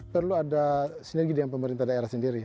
perlu ada sinergi dengan pemerintah daerah sendiri